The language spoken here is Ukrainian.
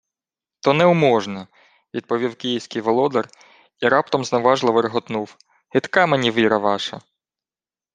— То неуможне, — відповів київський володар і раптом зневажливо реготнув: — Гидка мені віра ваша!